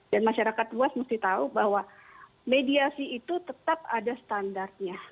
dan masyarakat luas mesti tahu bahwa mediasi itu tetap ada standarnya